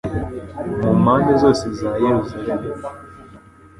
mu mpande zose za Yeruzalemu